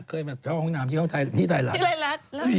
เคยมีคนเนี่ยเวลาไปทะลองน้ำ